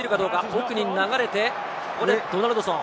奥に流れて、ここでドナルドソン。